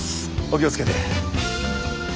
お気を付けて。